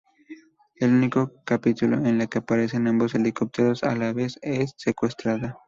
El único capítulo en el que aparecen ambos helicópteros a la vez es "Secuestrada".